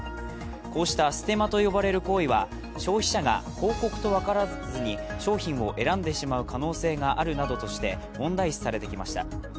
こうしたステマと呼ばれる行為は、消費者が広告と分からずに商品を選んでしまう可能性があるなどとして問題視されてきました。